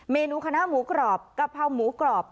เมนูคณะหมูกรอบกะเพราหมูกรอบ